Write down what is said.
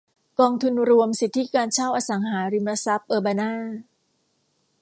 กองทุนรวมสิทธิการเช่าอสังหาริมทรัพย์เออร์บานา